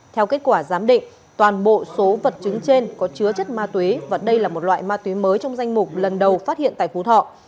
theo kết quả giám định toàn bộ số vật chứng trên có chứa chất ma túy và đây là một loại ma túy mới trong danh mục lần đầu phát hiện tại phú thọ